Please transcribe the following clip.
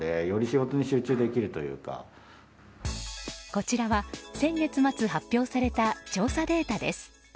こちらは先月末発表された調査データです。